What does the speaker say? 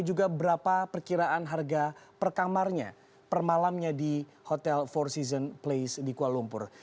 dan juga berapa perkiraan harga per kamarnya per malamnya di hotel four seasons place di kuala lumpur